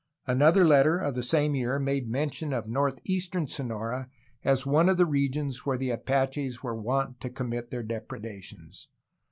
Another letter of the same year made mention of north eastern Sonora as one of the regions where the Apaches were wont to commit their depredations.